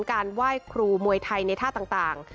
การไหว้ครูมวยไทยในท่าต่าง